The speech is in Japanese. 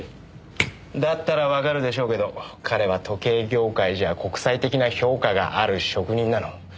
だったらわかるでしょうけど彼は時計業界じゃ国際的な評価がある職人なの。